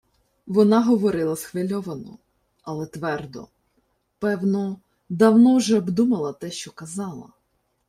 Вона говорила схвильовано, але твердо, певно, давно вже обдумала те, що казала: